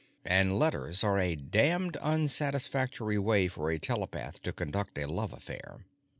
And letters are a damned unsatisfactory way for a telepath to conduct a love affair.